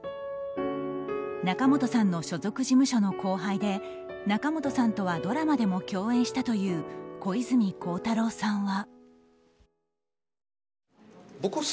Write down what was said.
仲本さんの所属事務所の後輩で仲本さんとはドラマでも共演したという小泉孝太郎さんは。